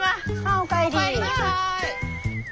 お帰りなさい。